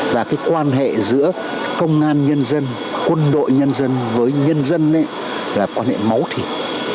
và cái quan hệ giữa công an nhân dân quân đội nhân dân với nhân dân là quan hệ máu thịt